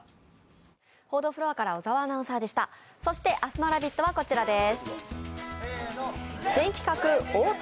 そして明日の「ラヴィット！」はこちらです。